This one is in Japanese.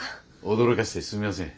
驚かせてすみません。